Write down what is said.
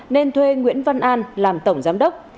nên thuê nguyễn văn an làm tổng giám đốc